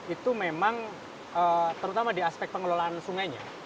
itu memang terutama di aspek pengelolaan sungainya